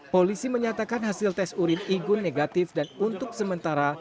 polisi menyatakan hasil tes urin igun negatif dan untuk sementara